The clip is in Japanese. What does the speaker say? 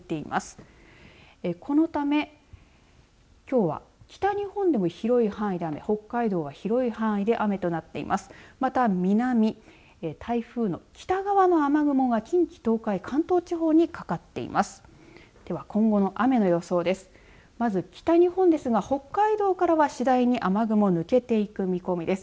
また南、台風の北側の雨雲が近畿、東海関東地方にかかっています。